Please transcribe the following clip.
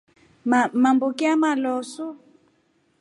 Mamboki aamaloosu.